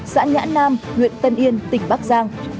xã nhãn nam huyện tân yên tỉnh bắc giang